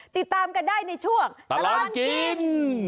ติดตามกันได้ในช่วงตลอดกิน